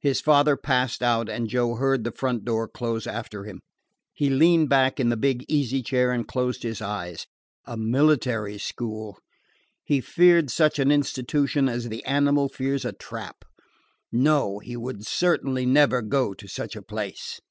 His father passed out, and Joe heard the front door close after him. He leaned back in the big easy chair and closed his eyes. A military school! He feared such an institution as the animal fears a trap. No, he would certainly never go to such a place.